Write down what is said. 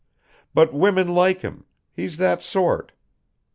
But women like him, he's that sort.